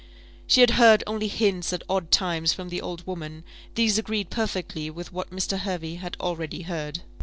She had heard only hints at odd times from the old woman: these agreed perfectly with what Mr. Hervey had already heard.